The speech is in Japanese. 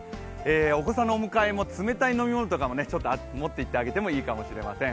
お子さんのお迎えも冷たい飲み物とかも持っていってあげてもいいかもしれません。